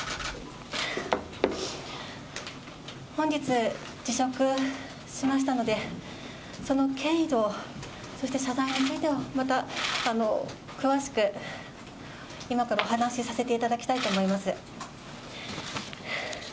本日、辞職しましたので、その経緯と、そして謝罪について、また、詳しく今からお話させていただきたいと思います。